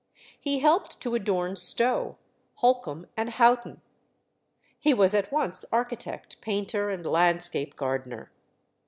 He helped to adorn Stowe, Holkham, and Houghton. He was at once architect, painter, and landscape gardener.